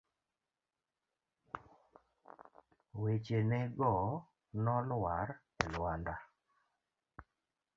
Wechene go nolwar e lwanda.